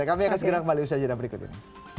kami akan segera kembali usaha jadwal berikut ini